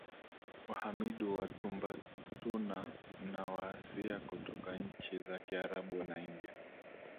Wahamidu watumbatuna na waasia kutoka nchi za kiarabu na India